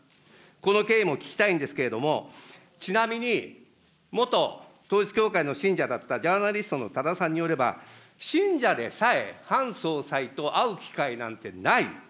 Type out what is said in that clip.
この経緯も聞きたいんですけれども、ちなみに元統一教会の信者だったジャーナリストのたださんによれば、信者でさえ、ハン総裁と会う機会なんてない。